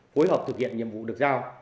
phối hợp thực hiện nhiệm vụ được giao